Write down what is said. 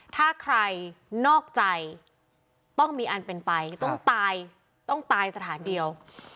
ถ้าใครนอกใจต้องมีอันเป็นไปต้องตายต้องตายสถานเดียว